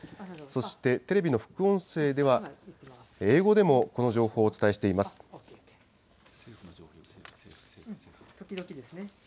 そして、テレビの副音声では、英語でもこの情報をお伝えしています。